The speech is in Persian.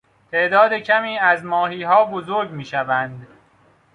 تعداد کمی از ماهیها بزرگ میشوند.